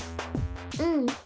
うん。